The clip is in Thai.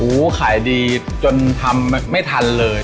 อู๊ข่ายดีจนทำไม่ทันเลย